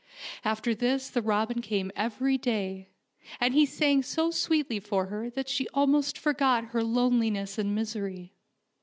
After this the robin came every day, and he sang so sweetly for her that she almost forgot her loneliness and misery.